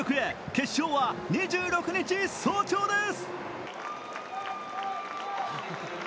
決勝は２６日早朝です。